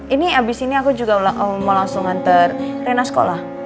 ini abis ini aku juga mau langsung ngantar rena sekolah